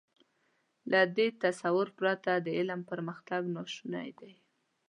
له دې تصور پرته د علم پرمختګ ناشونی دی.